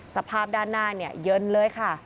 สภาพด้านหน้าเยินเลยค่ะ